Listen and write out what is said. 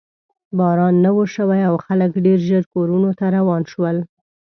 باران نه و شوی او خلک ډېر ژر کورونو ته روان شول.